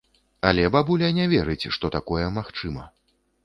Але бабуля не верыць, што такое магчыма.